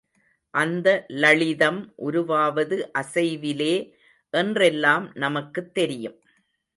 அந்த லளிதம் உருவாவது அசைவிலே என்றெல்லாம் நமக்குத் தெரியும்.